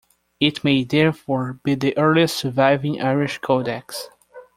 It may therefore be the earliest surviving Irish codex.